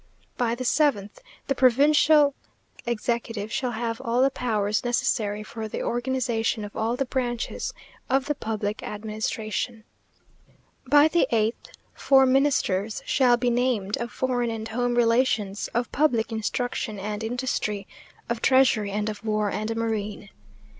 By the seventh The provincial executive shall have all the powers necessary for the organization of all the branches of the public administration. By the eighth Four Ministers shall be named, of foreign and home relations, of public instruction and industry, of treasury, and of war and marine.